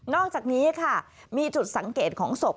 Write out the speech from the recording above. อกจากนี้ค่ะมีจุดสังเกตของศพ